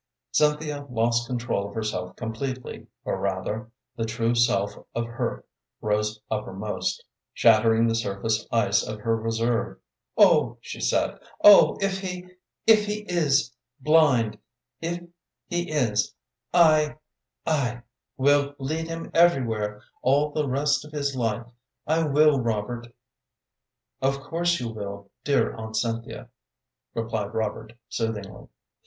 Cynthia lost control of herself completely; or, rather, the true self of her rose uppermost, shattering the surface ice of her reserve. "Oh," she said "oh, if he if he is blind, if he is I I will lead him everywhere all the rest of his life; I will, Robert." "Of course you will, dear Aunt Cynthia," replied Robert, soothingly.